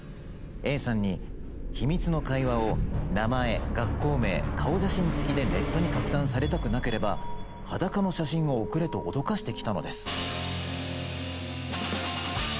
Ａさんに秘密の会話を名前学校名顔写真付きでネットに拡散されたくなければ裸の写真を送れと脅かしてきたのです。